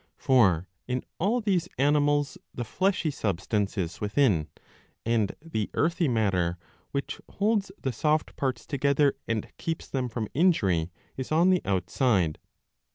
For in all these animals the fleshy substance is within, and the earthy matter, which holds the soft parts together and keeps them from injury, is on the outside.